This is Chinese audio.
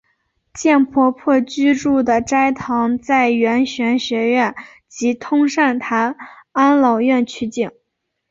贱婆婆居住的斋堂在圆玄学院及通善坛安老院取景。